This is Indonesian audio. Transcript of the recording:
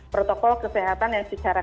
protokol kesehatan yang secara